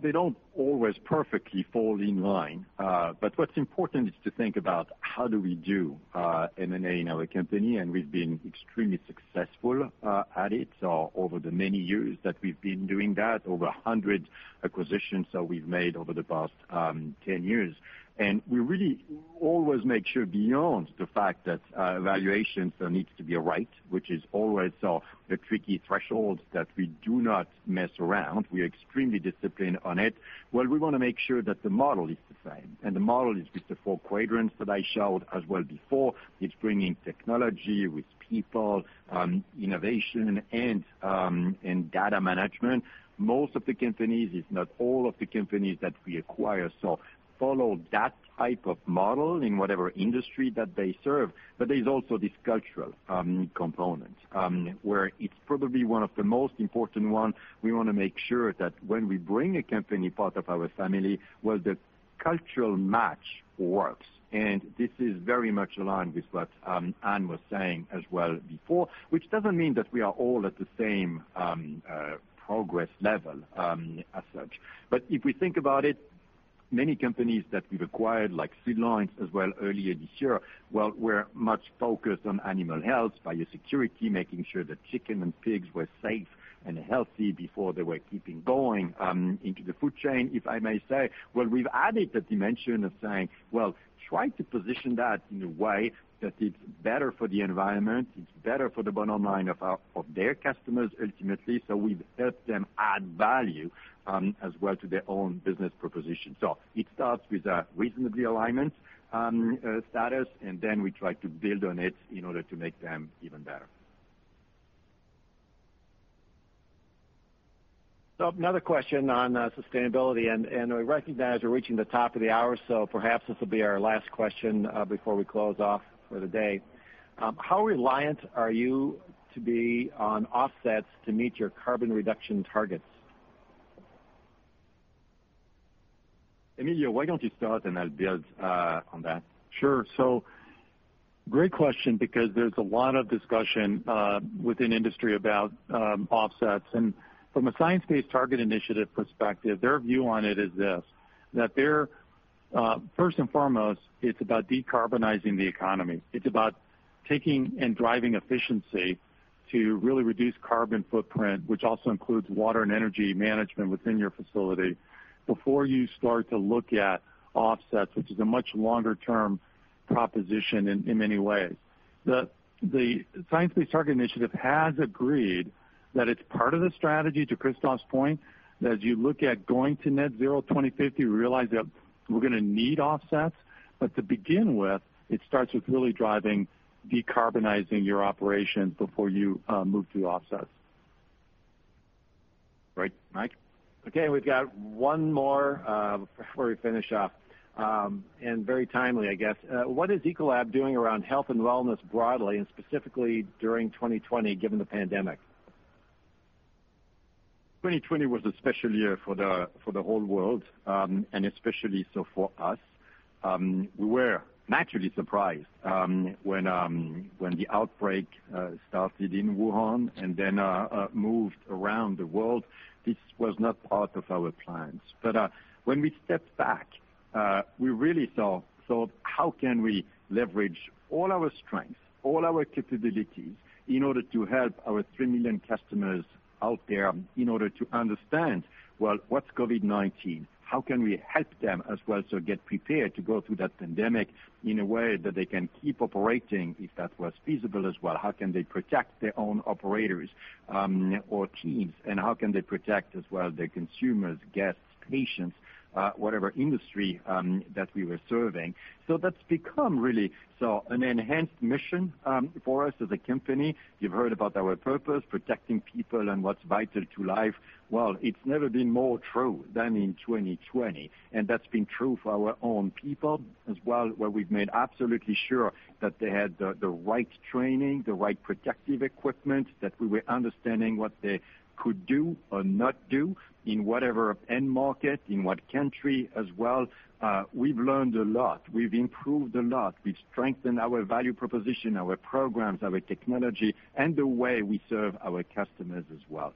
They don't always perfectly fall in line. But what's important is to think about how do we do M&A in our company, and we've been extremely successful at it over the many years that we've been doing that, over 100 acquisitions that we've made over the past 10 years. We really always make sure beyond the fact that valuations needs to be right, which is always the tricky threshold that we do not mess around. We are extremely disciplined on it. Well, we want to make sure that the model is the same, and the model is with the four quadrants that I showed as well before. It's bringing technology with people, innovation, and data management. Most of the companies, if not all of the companies that we acquire, so follow that type of model in whatever industry that they serve. There's also this cultural component, where it's probably one of the most important ones. We want to make sure that when we bring a company part of our family, well, the cultural match works. This is very much aligned with what Anne was saying as well before, which doesn't mean that we are all at the same progress level, as such. If we think about it, many companies that we've acquired, like CID Lines as well earlier this year, were much focused on animal health, biosecurity, making sure that chicken and pigs were safe and healthy before they were keeping going into the food chain. If I may say, well, we've added the dimension of saying, well, try to position that in a way that it's better for the environment, it's better for the bottom line of their customers ultimately. We've helped them add value as well to their own business proposition. It starts with a reasonably alignment status, and then we try to build on it in order to make them even better. Another question on sustainability, and I recognize we're reaching the top of the hour, so perhaps this will be our last question before we close off for the day. How reliant are you to be on offsets to meet your carbon reduction targets? Emilio, why don't you start and I'll build on that? Great question, because there's a lot of discussion within industry about offsets. From a Science Based Targets initiative perspective, their view on it is this, that first and foremost, it's about decarbonizing the economy. It's about taking and driving efficiency to really reduce carbon footprint, which also includes water and energy management within your facility before you start to look at offsets, which is a much longer-term proposition in many ways. The Science Based Targets initiative has agreed that it's part of the strategy, to Christophe's point, that as you look at going to net zero 2050, realize that we're going to need offsets. To begin with, it starts with really driving decarbonizing your operations before you move to offsets. Great, Mike. Okay, we've got one more before we finish up, and very timely, I guess. What is Ecolab doing around health and wellness broadly, and specifically during 2020 given the pandemic? 2020 was a special year for the whole world, and especially so for us. We were naturally surprised when the outbreak started in Wuhan and then moved around the world. This was not part of our plans. When we stepped back, we really thought, how can we leverage all our strengths, all our capabilities in order to help our 3 million customers out there in order to understand, well, what's COVID-19? How can we help them as well, so get prepared to go through that pandemic in a way that they can keep operating, if that was feasible as well? How can they protect their own operators or teams, and how can they protect as well their consumers, guests, patients, whatever industry that we were serving? That's become really an enhanced mission for us as a company. You've heard about our purpose, protecting people and what's vital to life. Well, it's never been more true than in 2020, and that's been true for our own people as well, where we've made absolutely sure that they had the right training, the right protective equipment, that we were understanding what they could do or not do in whatever end market, in what country as well. We've learned a lot. We've improved a lot. We've strengthened our value proposition, our programs, our technology, and the way we serve our customers as well.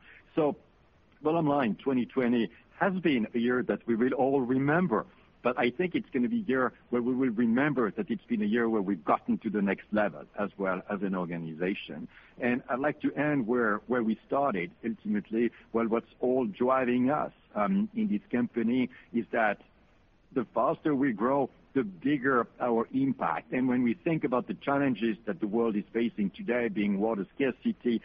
Bottom line, 2020 has been a year that we will all remember, but I think it's going to be a year where we will remember that it's been a year where we've gotten to the next level as well as an organization. I'd like to end where we started, ultimately, what's all driving us in this company is that the faster we grow, the bigger our impact. When we think about the challenges that the world is facing today, being water scarcity,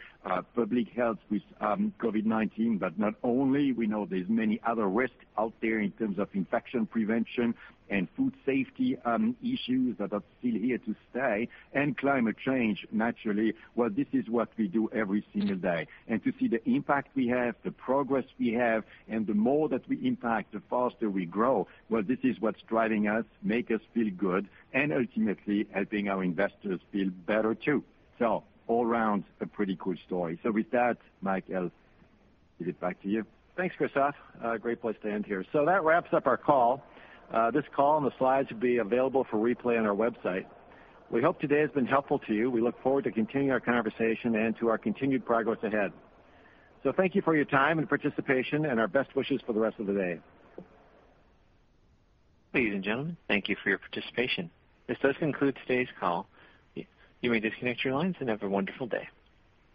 public health with COVID-19, but not only, we know there's many other risks out there in terms of infection prevention and food safety issues that are still here to stay, and climate change, naturally. This is what we do every single day. To see the impact we have, the progress we have, and the more that we impact, the faster we grow. This is what's driving us, make us feel good, and ultimately helping our investors feel better, too. All around, a pretty cool story. With that, Mike, I'll give it back to you. Thanks, Christophe. A great place to end here. That wraps up our call. This call and the slides will be available for replay on our website. We hope today has been helpful to you. We look forward to continuing our conversation and to our continued progress ahead. Thank you for your time and participation and our best wishes for the rest of the day. Ladies and gentlemen, thank you for your participation. This does conclude today's call. You may disconnect your lines and have a wonderful day.